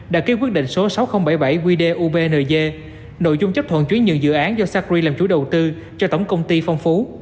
đã ký quyết định số sáu nghìn bảy mươi bảy qdubng nội dung chấp thuận chuyển nhượng dự án do sacri làm chủ đầu tư cho tổng công ty phong phú